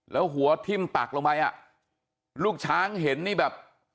แล้วหัวทิ่มตักลงไปอ่ะลูกช้างเห็นนี่แบบ